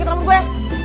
ikut rambut gue